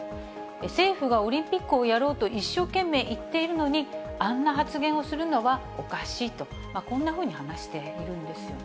政府がオリンピックをやろうと一生懸命言っているのに、あんな発言をするのはおかしいと、こんなふうに話しているんですよ